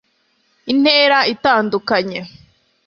intera itandukanye